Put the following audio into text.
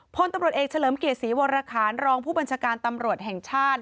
พลตำรวจเอกเฉลิมเกียรติศรีวรคารรองผู้บัญชาการตำรวจแห่งชาติ